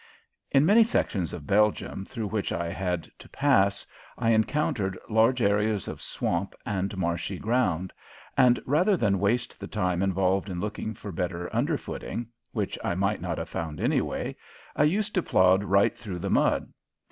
In many sections of Belgium through which I had to pass I encountered large areas of swamp and marshy ground, and, rather than waste the time involved in looking for better underfooting which I might not have found, anyway I used to plod right through the mud.